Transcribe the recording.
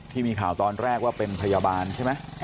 ที่มีข่าวตอนแรกว่าเป็นพยาบาลใช่ไหม